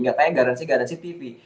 gak tanya garansi garansi tv